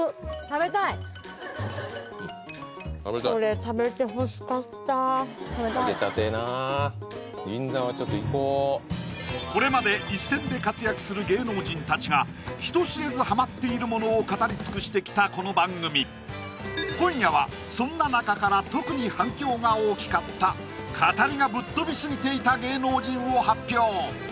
食べたい揚げたてなこれまで一線で活躍する芸能人たちが人知れずハマっているものを語り尽くしてきたこの番組今夜はそんな中から特に反響が大きかった語りがぶっ飛びすぎていた芸能人を発表